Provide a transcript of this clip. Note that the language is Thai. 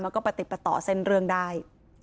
แล้วก็ประติดประต่อเส้นเรื่องได้